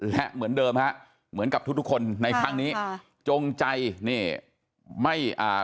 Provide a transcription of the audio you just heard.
และเหมือนเดิมฮะเหมือนกับทุกทุกคนในครั้งนี้ค่ะจงใจนี่ไม่อ่า